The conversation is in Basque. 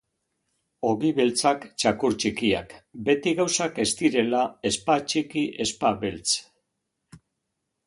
Ogi beltzak txakur txikiak: beti gauzak ez direla ezpa txiki ezpa beltz.